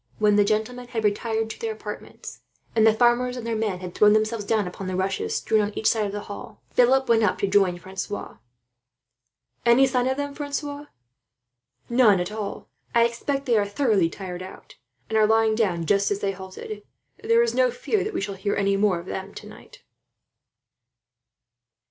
When the gentlemen had retired to their apartments, and the farmers and their men had thrown themselves down upon the rushes strewn on each side of the hall, Philip went up to join Francois. "Any sign of them, Francois?" "None at all. I expect they are thoroughly tired out, and are lying down just as they halted. There is no fear that we shall hear any more of them, tonight."